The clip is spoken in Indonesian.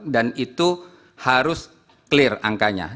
dan itu harus clear angkanya